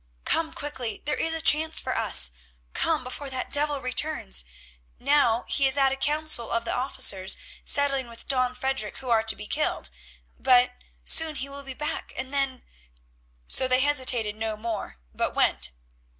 Come quickly, there is a chance for us; come before that devil returns. Now he is at a council of the officers settling with Don Frederic who are to be killed, but soon he will be back, and then——" So they hesitated no more, but went.